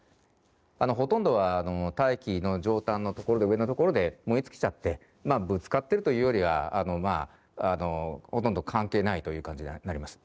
ほとんどは大気の上端の所で上の所で燃え尽きちゃってまあぶつかってるというよりはほとんど関係ないという感じにはなります。